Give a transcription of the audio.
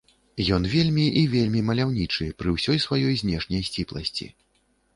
Ён вельмі і вельмі маляўнічы пры ўсёй сваёй знешняй сціпласці.